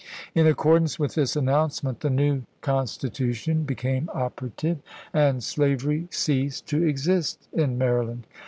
In accordance with this announcement the new constitution became operative, and slavery ceased to exist in Maryland.